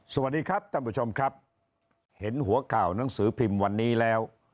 สวัสดีครับท่านผู้ชมครับเห็นหัวข่าวหนังสือพิมพ์วันนี้แล้ว